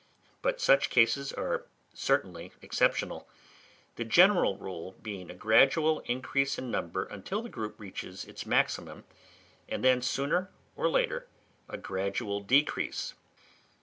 But such cases are certainly exceptional; the general rule being a gradual increase in number, until the group reaches its maximum, and then, sooner or later, a gradual decrease.